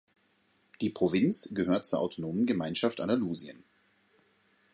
Die Provinz gehört zur autonomen Gemeinschaft Andalusien.